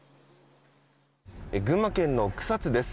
群馬県の草津です。